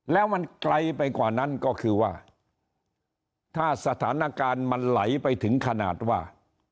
แล้วมันไกลไปกว่านั้นก็คือว่าถ้าสถานการณ์มันไหลไปถึงขนาดว่า